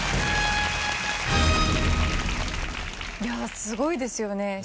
いやあすごいですよね。